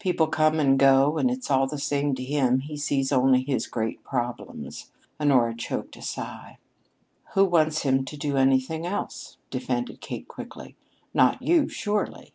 People come and go and it's all the same to him. He sees only his great problems." Honora choked a sigh. "Who wants him to do anything else!" defended Kate quickly. "Not you, surely!